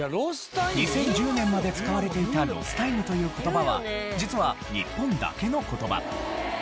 ２０１０年まで使われていた「ロスタイム」という言葉は実は日本だけの言葉。